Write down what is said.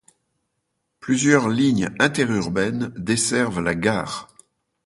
Plusieurs lignes interurbaines desservent la gare.